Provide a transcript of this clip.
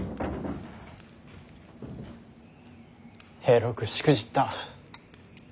平六しくじった。